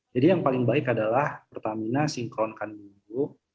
jadi yang paling baik adalah pertamina sinkronkan dulu